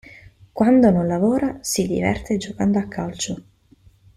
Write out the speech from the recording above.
Quando non lavora, si diverte giocando a calcio.